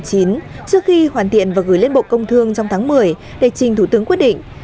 trước khi hoàn thiện và gửi lên bộ công thương trong tháng một mươi để trình thủ tướng quyết định